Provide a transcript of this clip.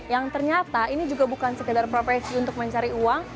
yang ternyata ini juga bukan sekedar profesi untuk mencari uang